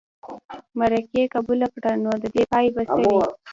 مرکې قبوله کړه نو د دې پای به څه وي.